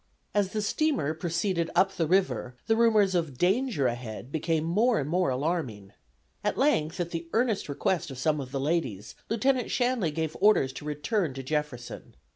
As the steamer proceeded up the river the rumors of "danger ahead" became more and more alarming. At length, at the earnest request of some of the ladies, Lieutenant Shanley gave orders to return to Jefferson.